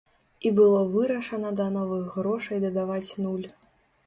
І было вырашана да новых грошай дадаваць нуль.